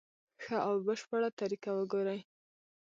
ښه او بشپړه طریقه وګوري.